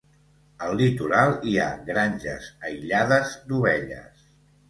Al litoral hi ha granges aïllades d'ovelles.